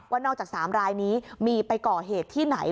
นอกจาก๓รายนี้มีไปก่อเหตุที่ไหน